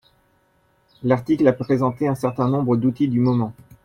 L'article a présenté un certain nombres d'outils du moment